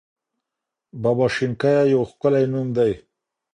بابا شینکیه یو ښکلی نوم دی.